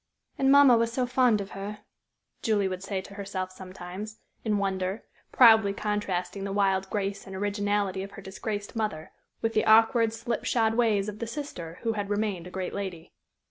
"And mamma was so fond of her," Julie would say to herself sometimes, in wonder, proudly contrasting the wild grace and originality of her disgraced mother with the awkward, slipshod ways of the sister who had remained a great lady.